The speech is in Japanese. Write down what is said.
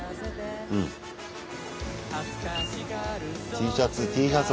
ＴシャツＴシャツ